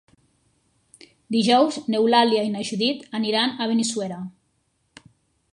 Dijous n'Eulàlia i na Judit aniran a Benissuera.